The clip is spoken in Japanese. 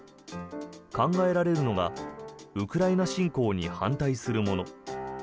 考えられるのがウクライナ侵攻に反対するもの